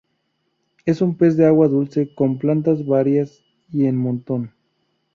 Es un pez de agua dulce con plantas varias y en montón.